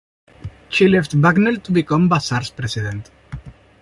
She left Bucknell to become Vassar's president.